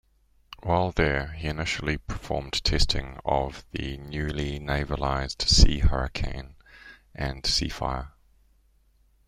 While there he initially performed testing of the newly navalised Sea Hurricane and Seafire.